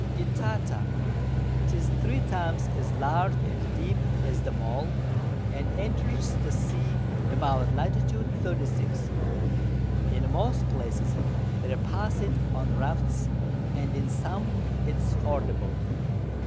Itata; 'tis 3 times as large and deep as the Maul, and enters the Sea about Lat. 36. In most Places they pass it on Rafts, and in some it is fordable.